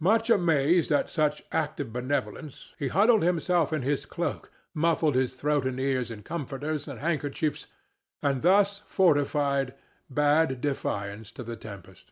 Much amazed at such active benevolence, he huddled himself in his cloak, muffled his throat and ears in comforters and handkerchiefs, and, thus fortified, bade defiance to the tempest.